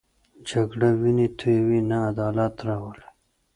جګړه وینې تویوي، نه عدالت راولي